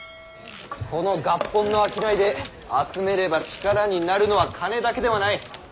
この合本の商いで集めれば力になるのは金だけではない。